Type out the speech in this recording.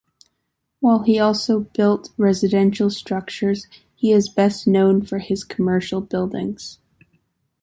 While also he built residential structures, he is best known for his commercial buildings.